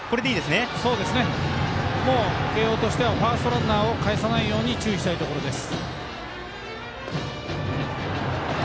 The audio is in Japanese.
慶応としてはファーストランナーをかえさないように注意したいところです。